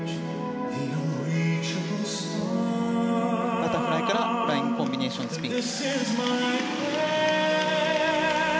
バタフライから、フライングコンビネーションスピン。